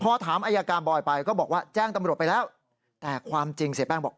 พอถามอายการบอยไปก็บอกว่าแจ้งตำรวจไปแล้วแต่ความจริงเสียแป้งบอก